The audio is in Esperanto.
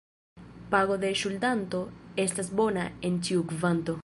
Pago de ŝuldanto estas bona en ĉiu kvanto.